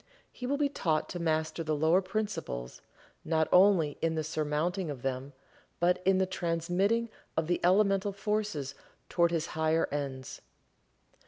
He will be taught to master the lower principles, not only in the surmounting of them, but in the transmitting of the elemental forces toward his higher ends.